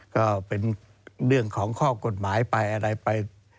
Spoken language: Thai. ก็เป็นเรื่องของข้อกฎหมายไปอะไรไป